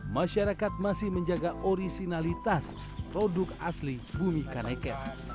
masyarakat masih menjaga orisinalitas produk asli bumi kanekes